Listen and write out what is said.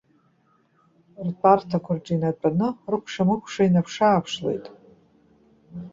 Ртәарҭақәа рҿы инатәаны, рыкәша-мыкәша, инаԥшы-ааԥшлоит.